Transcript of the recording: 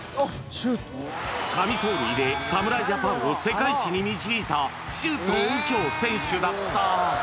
神走塁で侍ジャパンを世界一に導いた周東佑京選手だった。